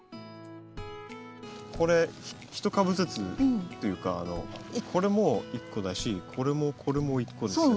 これ１株ずつというかこれも１個だしこれもこれも１個ですよね。